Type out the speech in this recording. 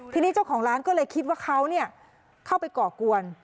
ทีนี้เจ้าของร้านก็เลยคิดว่าเขาเข้าไปก่อกวน